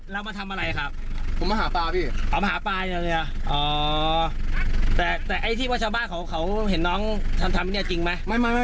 แสบปลาใช่ไหมไฟของแบบสื่อแสบปลาใช่ไหม